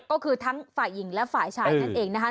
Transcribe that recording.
ก็คือทั้งฝ่ายหญิงและฝ่ายชายนั่นเองนะคะ